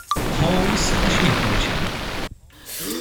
"Holmes uśmiechnął się."